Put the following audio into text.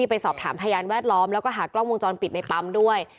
ไปสอบถามพยานแวดล้อมแล้วก็หากล้องวงจรปิดในปั๊มด้วย